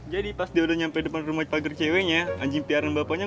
jadi pas dia udah nyampe depan rumah cewenya anjing piaran bapaknya